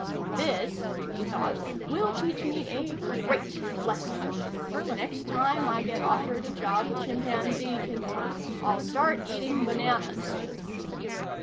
This, he thought, will teach me a great lesson. The next time I get offered a job a chimpanzee can do, I'll start eating bananas.